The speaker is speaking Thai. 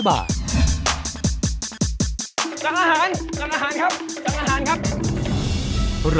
พลาดรุ่งน่างเงินจนมีร้อยเบาดูด